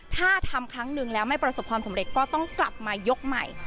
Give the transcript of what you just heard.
ถ้าทำครั้งหนึ่งแล้วไม่ประสบความสำเร็จก็ต้องกลับมายกใหม่